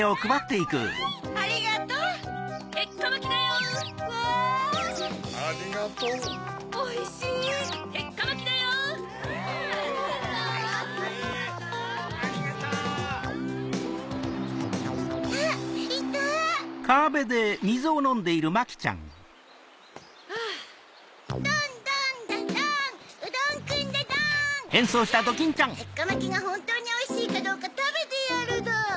てっかまきがほんとうにおいしいかどうかたべてやるどん！